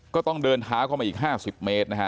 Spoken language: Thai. ก็ต้องเดินเท้าเข้ามาอีก๕๐เมตรนะฮะ